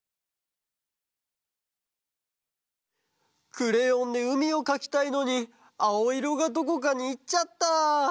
クレヨンでうみをかきたいのにあおいろがどこかにいっちゃった。